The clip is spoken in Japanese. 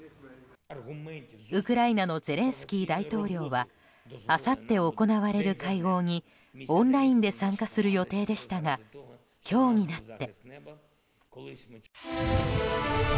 ウクライナのゼレンスキー大統領はあさって行われる会合にオンラインで参加する予定でしたが今日になって。